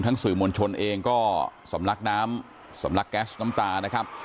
สื่อมวลชนเองก็สำลักน้ำสำลักแก๊สน้ำตานะครับ